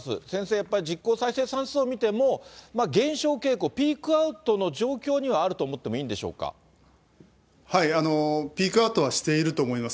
やっぱり、実効再生産数を見ても、減少傾向、ピークアウトの状況にはあると思ピークアウトはしていると思います。